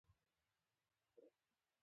د دوست او دوښمن کرښه په کې معلومه ده.